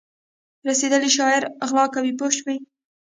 رسېدلی شاعر غلا کوي پوه شوې!.